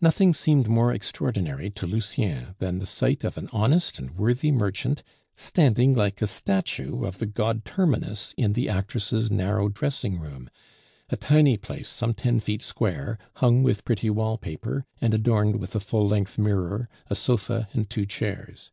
Nothing seemed more extraordinary to Lucien than the sight of an honest and worthy merchant standing like a statue of the god Terminus in the actress' narrow dressing room, a tiny place some ten feet square, hung with a pretty wall paper, and adorned with a full length mirror, a sofa, and two chairs.